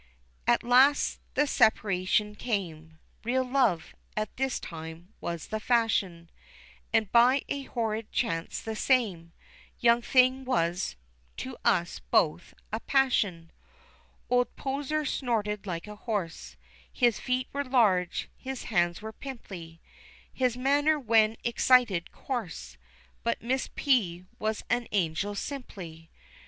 At last the separation came, Real love, at that time, was the fashion; And by a horrid chance, the same Young thing was, to us both, a passion. Old Poser snorted like a horse: His feet were large, his hands were pimply, His manner, when excited, coarse: But Miss P. was an angel simply.